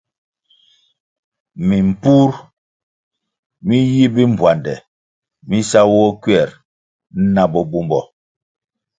Mimpur mi yi bimbpuande mi sawoh kuer na bo bumbo.